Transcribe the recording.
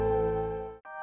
aku terlalu berharga